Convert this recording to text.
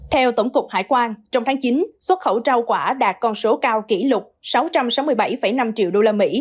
theo tổng cục hải quan trong tháng chín xuất khẩu rau quả đạt con số cao kỷ lục sáu trăm sáu mươi bảy năm triệu usd